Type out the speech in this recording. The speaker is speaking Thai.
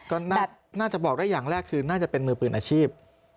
ก็น่าจะบอกได้อย่างแรกคือน่าจะเป็นมือปืนอาชีพ